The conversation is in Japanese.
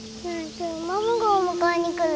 今日ママがお迎えに来る？